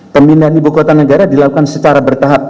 pemindahan ibu kota negara dilakukan secara bertahap